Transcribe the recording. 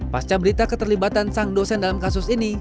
pasca berita keterlibatan sang dosen dalam kasus ini